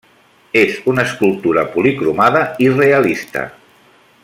És una escultura policromada i realista.